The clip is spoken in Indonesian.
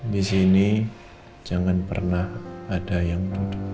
di sini jangan pernah ada yang